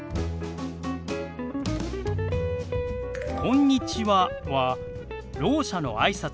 「こんにちは」はろう者の挨拶の基本です。